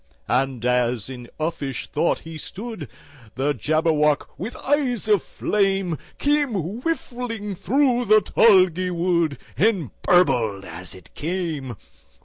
And as in uffish thought he stood, The Jabberwock, with eyes of flame, Came whiffling through the tulgey wood, And burbled as it came!